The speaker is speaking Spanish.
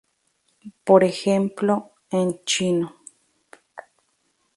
Por ejemplo, en 弁.